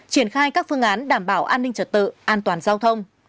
triển khai các phương án đảm bảo an ninh trật tự an toàn giao thông